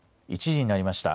１時になりました。